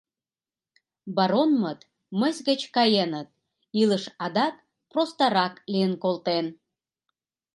Баронмыт мыйс гыч каеныт, илыш адак простарак лийын колтен.